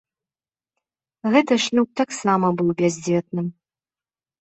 Гэты шлюб таксама быў бяздзетным.